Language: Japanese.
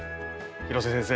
広瀬先生